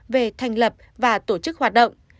về thành lập và tổ chức hoạt động